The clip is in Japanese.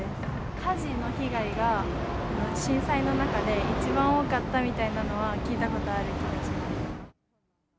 火事の被害が、震災の中で一番多かったみたいなのは聞いたことある気がします。